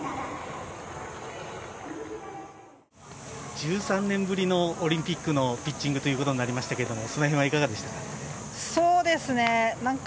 １３年ぶりのオリンピックのピッチングということになりましたけれどもその辺はいかがでしたか？